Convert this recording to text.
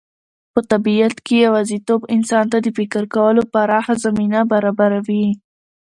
په طبیعت کې یوازېتوب انسان ته د فکر کولو پراخه زمینه برابروي.